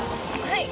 はい。